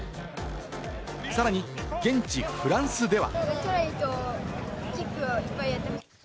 さらに現地フランスでは。